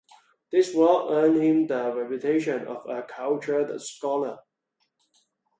This work earned him the reputation of a cultured scholar.